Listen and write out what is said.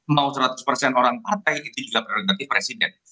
mau seratus persen orang partai itu juga prerogatif presiden